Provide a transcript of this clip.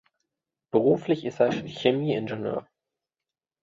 Beruflich ist er Chemieingenieur.